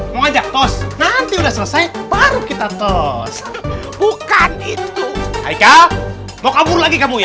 mau ajak tos nanti udah selesai baru kita tos bukan itu ayo mau kabur lagi kamu ya